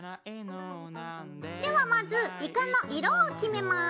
ではまずイカの色を決めます。